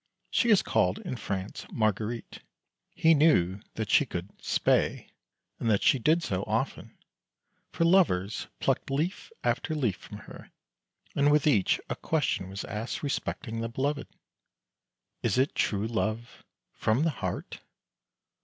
She is called in France Mar guerite. He knew that she could " spae," and that she did so often; for lovers plucked leaf after leaf from her, and with each a question was asked respecting the beloved: —" Is it true love?" "From the heart?"